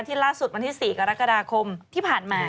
ล่าสุดวันที่๔กรกฎาคมที่ผ่านมา